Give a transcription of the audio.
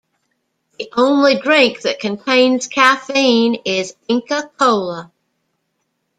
The only drink that contains caffeine is Inca Kola.